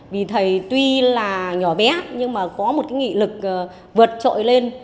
vì thầy tuy là nhỏ bé nhưng mà có một cái nghị lực vượt trội lên